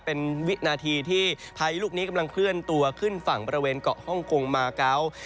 เป็นวินาทีที่พายุลูกนี้กำลังเคลื่อนตัวขึ้นฝั่งบริเวณเกาะฮ่องกงมาเกาะ